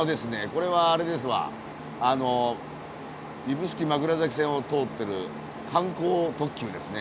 これはあれですわあの指宿枕崎線を通ってる観光特急ですね。